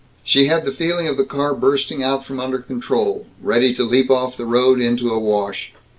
She had the feeling of the car bursting out from under control ... ready to leap off the road, into a wash.